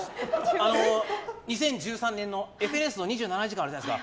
あの２０１３年のＦＮＳの「２７時間」あるじゃないですか。